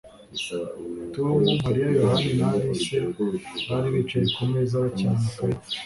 Tom Mariya Yohani na Alice bari bicaye ku meza bakina amakarita